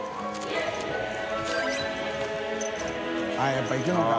やっぱり行くのか。